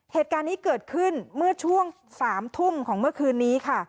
เหตุการณ์นี้เกิดขึ้นเมื่อช่วง๓ทุ่มของเมื่อคืนนี้ค่ะ